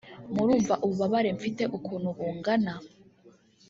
murumva ububabare mfite ukuntu bungana